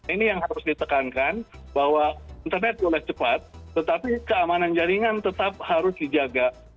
ini yang harus ditekankan bahwa internet boleh cepat tetapi keamanan jaringan tetap harus dijaga